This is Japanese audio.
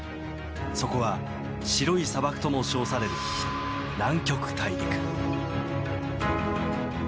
そこは、白い砂漠とも称される南極大陸。